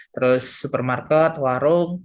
terus supermarket warung